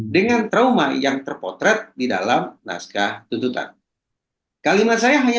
dengan trauma yang terpotret di dalam hasil pemeriksaan